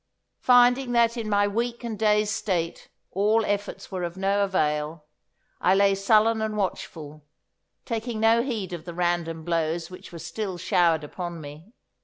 Finding that in my weak and dazed state all efforts were of no avail, I lay sullen and watchful, taking no heed of the random blows which were still showered upon me.